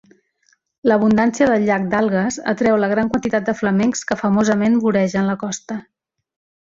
L'abundància del llac d'algues atreu la gran quantitat de flamencs que famosament voregen la costa.